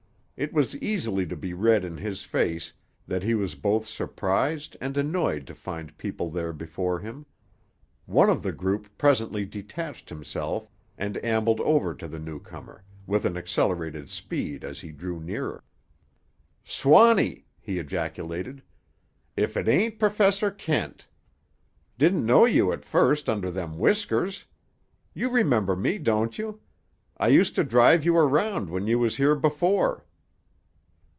It was easily to be read in his face that he was both surprised and annoyed to find people there before him. One of the group presently detached himself and ambled over to the newcomer, with an accelerated speed as he drew nearer. "Swanny!" he ejaculated, "if it ain't Perfessor Kent! Didn't know you at first under them whiskers. You remember me, don't you? I used to drive you around when you was here before."